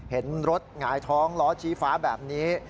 เห็นรถหงายท้องล้อชี้ฟ้าแบบนี้